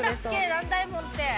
南大門って。